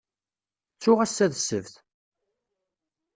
Ttuɣ ass-a d ssebt.